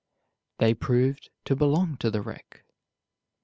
They proved to belong to the wreck.